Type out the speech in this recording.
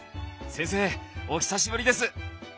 先生お久しぶりです！